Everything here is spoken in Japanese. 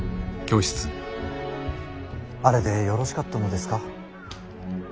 あれでよろしかったのですか。